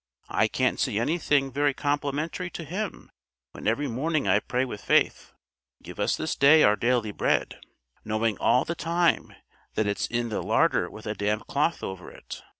I can't see anything very complimentary to Him when every morning I pray with faith, 'Give us this day our daily bread,' knowing all the time that it's in the larder with a damp cloth over it.